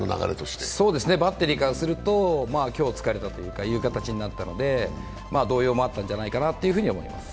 そうですね、バッテリーからすると虚を衝かれた形になったので動揺もあったんじゃないかなと思います。